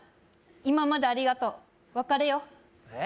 今までありがとう別れようえっ？